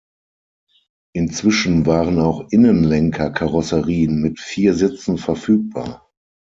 Inzwischen waren auch Innenlenker-Karosserien mit vier Sitzen verfügbar.